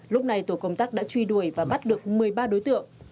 lúc này tổ công tác đã truy đuổi và bắt được một mươi ba đối tượng